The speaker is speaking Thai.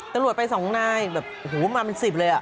ตำรวจไปสองนายหูมาเป็นสิบเลย